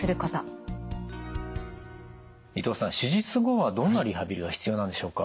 伊藤さん手術後はどんなリハビリが必要なんでしょうか？